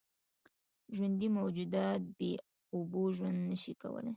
ژوندي موجودات بېاوبو ژوند نشي کولی.